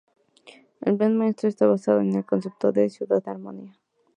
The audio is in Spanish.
El Plan Maestro está basado en el concepto de "Ciudad de Armonía".